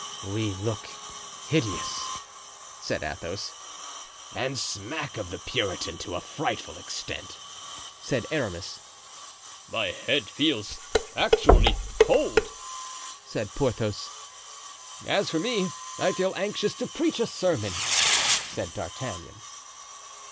"We look hideous," said Athos. "And smack of the Puritan to a frightful extent," said Aramis. "My head feels actually cold," said Porthos. "As for me, I feel anxious to preach a sermon," said D'Artagnan.